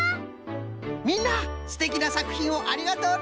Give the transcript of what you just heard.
みんなすてきなさくひんをありがとうの！